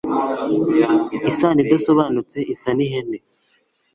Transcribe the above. Isano idasobanutse isa nihene